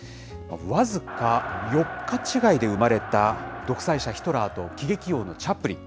僅か４日違いで生まれた独裁者、ヒトラーと喜劇王のチャップリン。